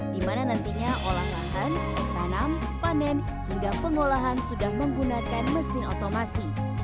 di mana nantinya olahan tanam panen hingga pengolahan sudah menggunakan mesin otomasi